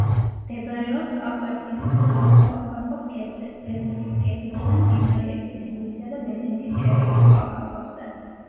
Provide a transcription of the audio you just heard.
მდებარეობს კავკასიონის მთავარ წყალგამყოფ ქედზე, ბეზენგის კედელზე, მდინარეების ენგურისა და ბეზენგის ჩერეკის წყალგამყოფზე.